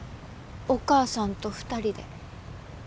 お母さんと２人で。